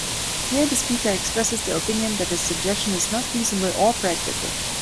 Here, the speaker expresses their opinion that his suggestion is not reasonable or practical.